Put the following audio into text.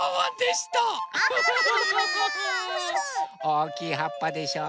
おおきいはっぱでしょ。